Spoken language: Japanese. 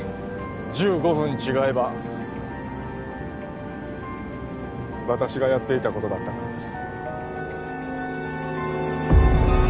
１５分違えば私がやっていたことだったからです